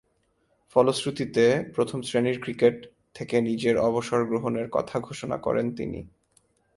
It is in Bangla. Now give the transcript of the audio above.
ফলশ্রুতিতে, প্রথম-শ্রেণীর ক্রিকেট থেকে নিজের অবসর গ্রহণের কথা ঘোষণা করেন তিনি।